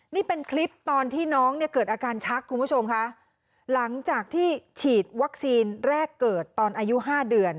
นี่เป็นคลิปตอนที่น้องเนี่ยเกิดอาการชักคุณผู้ชมค่ะหลังจากที่ฉีดวัคซีนแรกเกิดตอนอายุห้าเดือน